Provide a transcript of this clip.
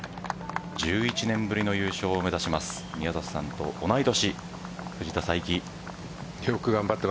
１１年ぶりの優勝を目指します宮里さんと同い年藤田さいき。